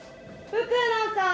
福野さーん！